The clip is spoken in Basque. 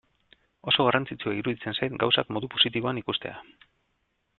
Oso garrantzitsua iruditzen zait gauzak modu positiboan ikustea.